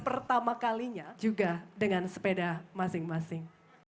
pertama kalinya juga dengan sepeda masing masing